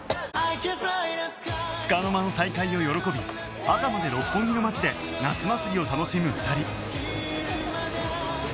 つかの間の再会を喜び朝まで六本木の街で夏祭りを楽しむ２人